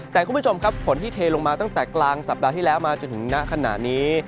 แต่คุณผู้ชมครับฝนที่เทลงมาตั้งแต่กลางสัปดาห์ที่แล้วมาจนถึงณขณะนี้